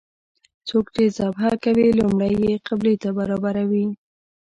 څوک چې ذبحه کوي لومړی یې قبلې ته برابروي.